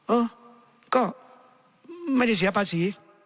เออก็ไม่ได้เสียภาษี